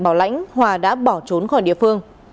bảo lãnh hòa đã bỏ trốn khỏi địa phương